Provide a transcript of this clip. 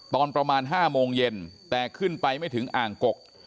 ตอนประมาณ๕โมงเย็นแต่ขึ้นไปไม่ถึงอ่างกก